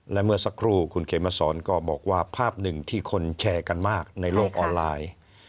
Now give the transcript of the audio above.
และเมื่อสักครู่คุณเขมสอนก็บอกว่าภาพหนึ่งที่คนแชร์กันมากในโลกออนไลน์